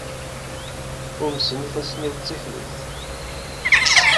Umsen yifassen-inu d taklut.